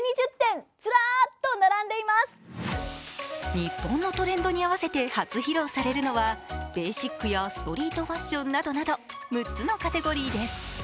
日本のトレンドに合わせて初披露されるのは、ベーシックやストリートファッションなどなど６つのカテゴリーです